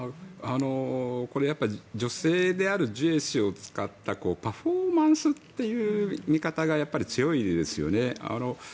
これ女性であるジュエ氏を使ったパフォーマンスっていう見方がやっぱり強いですよね。